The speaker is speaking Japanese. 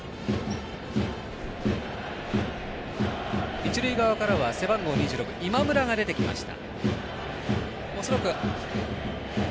一塁側からは背番号２６今村が出てきました。